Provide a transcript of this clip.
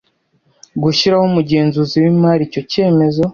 gushyiraho umugenzuzi w imari icyo cyemezo